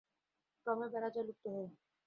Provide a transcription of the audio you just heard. ক্রমে বেড়া যায় লুপ্ত হয়ে।